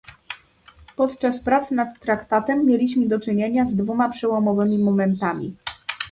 Podczas prac nad traktatem mieliśmy do czynienia z dwoma przełomowymi momentami